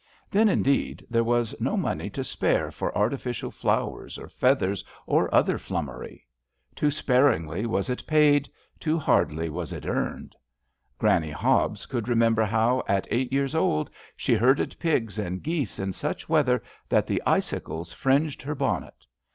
Then, indeed, there was no money to spare for artificial 75 HAMt>SHIRE VIGNETTEIS flowers or feathers, or other flummery. Too sparingly was it paid, too hardly was it earned. Granny Hobbes could remember how at eight years old she herded pigs and geese in such weather that the icicles fringed her bonnet.